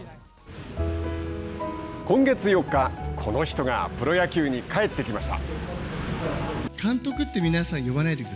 今月４日この人がプロ野球に帰ってきました。